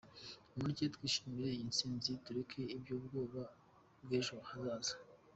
Mureke twishimire iyi ntsinzi tureke iby’ubwoba bw’ejo hazaza.